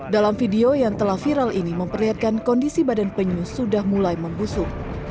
dalam video yang telah viral ini memperlihatkan kondisi badan penyu sudah mulai membusuk